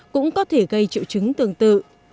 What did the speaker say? cũng có thể gây triệu chứng tương tự